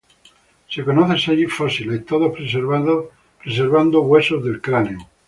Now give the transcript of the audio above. Se conocen seis fósiles, todos preservando huesos del cráneo.